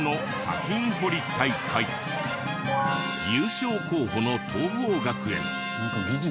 優勝候補の桐朋学園。